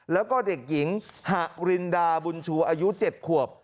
แล้วก็เด็กหญิงหะรินดาบุญชูอายุ๗ขวบ